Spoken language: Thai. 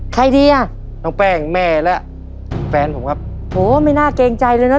ใครดีอ่ะน้องแป้งแม่และแฟนผมครับโหไม่น่าเกรงใจเลยเนอ